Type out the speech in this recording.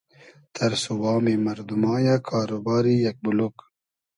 تئرس و وامی مئردوما یۂ کار و باری یئگ بولوگ